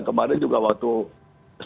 kemarin juga waktu saat covid